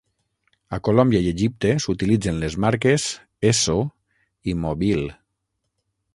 A Colòmbia i Egipte s'utilitzen les marques Esso i Mobil.